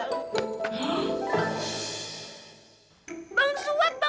kalian mau menanggulai kalian jahat